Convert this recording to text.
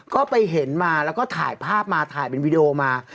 ก็ไปเห็นมาแล้วก็ถ่ายภาพมาถ่ายเป็นวีดีโอมา